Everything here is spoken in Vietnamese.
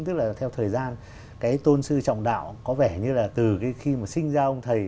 tức là theo thời gian cái tôn sư trọng đạo có vẻ như là từ cái khi mà sinh ra ông thầy